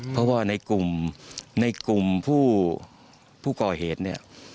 เพราะว่าในกลุ่มในกลุ่มผู้ก่อเหตุเนี่ย